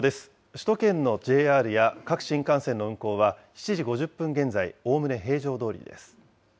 首都圏のＪＲや各新幹線の運行は、７時５０分現在、おおむね平常どおりです。